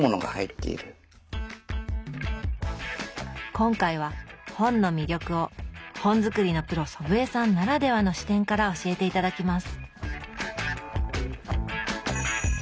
今回は本の魅力を本づくりのプロ祖父江さんならではの視点から教えて頂きます。